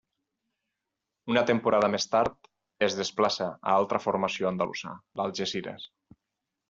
Una temporada més tard, es desplaça a altra formació andalusa, l'Algesires.